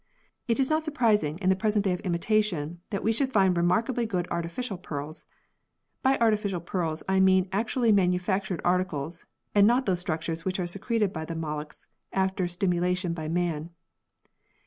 It is not surprising, in the present day of imitation, that we should find remarkably good artificial pearls. By artificial pearls I mean actually manufactured articles, and not those structures which are secreted by the molluscs after stimulation by man.